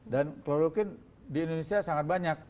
dan kloroquine di indonesia sangat banyak